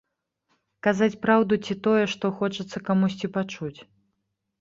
Казаць праўду ці тое, што хочацца камусьці пачуць.